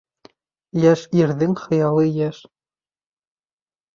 Йәш ирҙең хыялы йәш